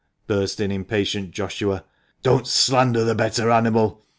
" burst in impatient Joshua, " don't slander the better animal.